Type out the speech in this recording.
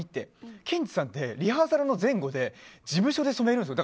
ケンチさんってリハーサル前後で事務所で染めるんですよ。